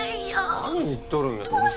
何言っとるんやさ